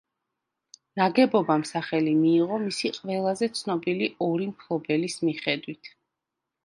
ნაგებობამ სახელი მიიღო მისი ყველაზე ცნობილი ორი მფლობელის მიხედვით.